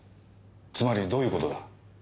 つまりどういう事だ？